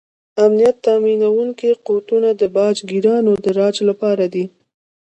امنیت تامینونکي قوتونه د باج ګیرانو د راج لپاره دي.